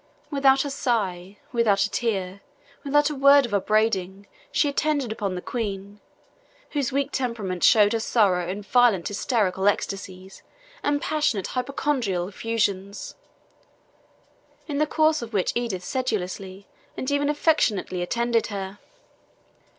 Without a sigh, without a tear, without a word of upbraiding, she attended upon the Queen, whose weak temperament showed her sorrow in violent hysterical ecstasies and passionate hypochondriacal effusions, in the course of which Edith sedulously and even affectionately attended her.